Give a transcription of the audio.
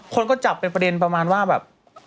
คนก็จับเป็นประเด็นประมาณว่าแบบ